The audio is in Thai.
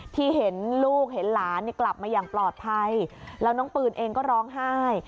ที่เห็นลูกเห็นหลานกลับมาอย่างปลอดภัยแล้วน้องปืนเองก็ร้องไห้